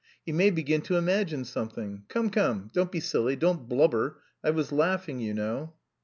He may begin to imagine something. Come, come, don't be silly, don't blubber, I was laughing, you know."